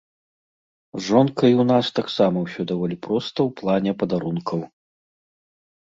З жонкай у нас таксама ўсё даволі проста ў плане падарункаў.